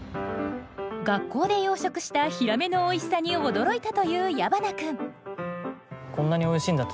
学校で養殖したヒラメのおいしさに驚いたという矢花君。